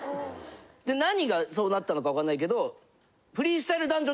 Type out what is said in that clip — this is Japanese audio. で何がそうなったのか分かんないけど。